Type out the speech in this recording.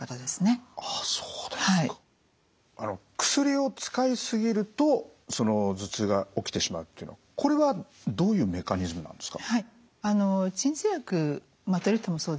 あそうですか。薬を使いすぎると頭痛が起きてしまうというのこれはどういうメカニズムなんですか？